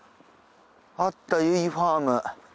あったゆいファーム。